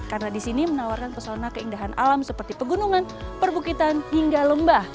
karena di sini menawarkan pesona keindahan alam seperti pegunungan perbukitan hingga lembah